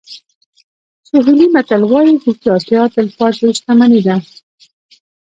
سوهیلي متل وایي هوښیارتیا تلپاتې شتمني ده.